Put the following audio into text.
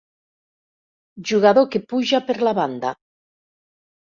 Jugador que puja per la banda.